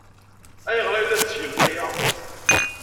Ayɣer ay la tettgemt aya?